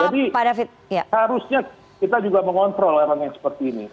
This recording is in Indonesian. jadi harusnya kita juga mengontrol orang yang seperti ini